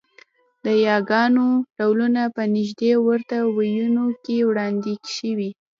د یاګانو ډولونه په نږدې ورته وییونو کې وړاندې شوي